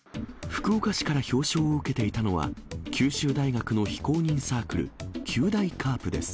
福岡市から表彰を受けていたのは、九州大学の非公認サークル、九大ＣＡＲＰです。